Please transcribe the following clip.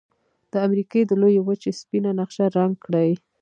د امریکا د لویې وچې سپینه نقشه رنګ کړئ.